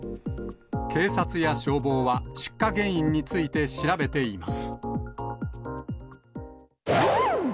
警察や消防は、出火原因について、調べています。